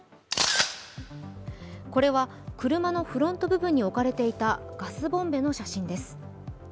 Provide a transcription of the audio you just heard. これは車のフロント部分に置かれていたガスボンベの写真です。